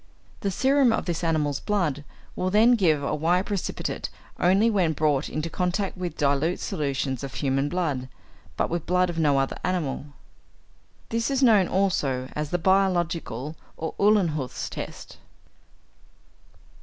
The serum of this animal's blood will then give a white precipitate only when brought into contact with dilute solutions of human blood, but with the blood of no other animal. This is known also as the 'biologic,' or Uhlenhuth's test.